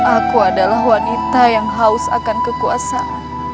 aku adalah wanita yang haus akan kekuasaan